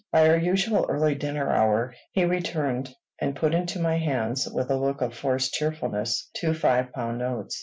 By our usual early dinner hour, he returned, and put into my hands, with a look of forced cheerfulness, two five pound notes.